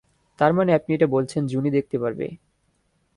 তারমানে আপনি এটা বলছেন জুনি দেখতে পারবে?